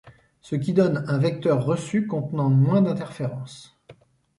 Ce qui donne un vecteur reçu contenant moins d’interférences.